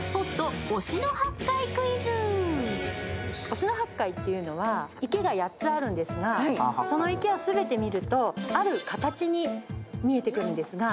忍野八海というのは池が８つあるんですが、その池を全て見るとある形に見えてくるんです。